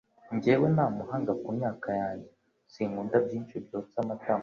Ngewe Ntamuhanga ku myaka yange sinkunda ibyinshi byotsa amatama,